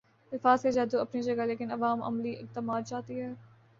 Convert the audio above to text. الفاظ کا جادو اپنی جگہ لیکن عوام عملی اقدامات چاہتی ہے